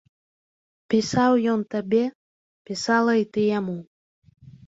Пісаў ён табе, пісала і ты яму.